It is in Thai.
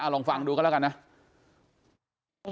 ลองฟังดูกันล่ะกัน